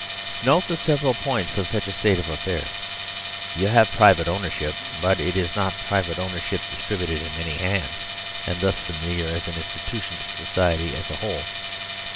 Note the several points of such a state of affairs. You have private ownership ; but it is not private ownership distributed in many hands and thus fa miliar as an institution to society as a whole.